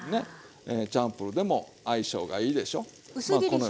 チャンプルーでも相性がいいでしょう？